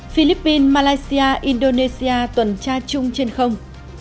philippines malaysia indonesia tuần tra chung trên không